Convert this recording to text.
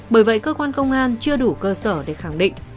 bởi vậy cơ quan công an chưa đủ cơ sở để khẳng định